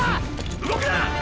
動くな！！